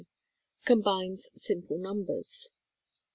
Combines simple numbers.